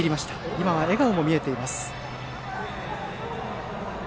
今は笑顔も見えています。